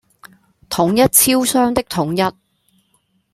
統一超商的統一